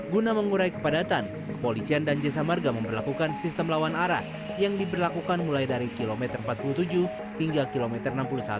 guna mengurai kepadatan kepolisian dan jasa marga memperlakukan sistem lawan arah yang diberlakukan mulai dari kilometer empat puluh tujuh hingga kilometer enam puluh satu